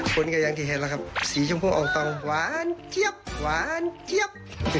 เพิ่งก็ยังที่เห็นล่ะครับสีชมพูอองตองหวานเจี๊ยบหวานเจี๊ยบ